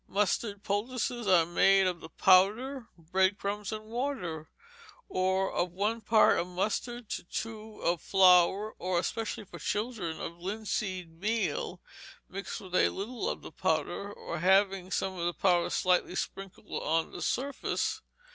Mustard poultices are made of the powder, bread crumbs, and water; or of one part of mustard to two of flour; or, especially for children, of linseed meal, mixed with a little of the powder, or having some of the powder slightly sprinkled on the surface.